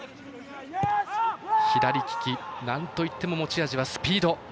左利き、なんといっても持ち味はスピード。